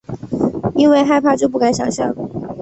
因为害怕就不敢想像